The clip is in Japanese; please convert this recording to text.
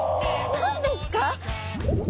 何ですか？